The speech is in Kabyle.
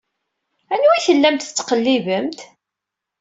Anwa i tellamt tettqellibemt?